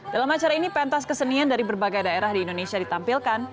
dalam acara ini pentas kesenian dari berbagai daerah di indonesia ditampilkan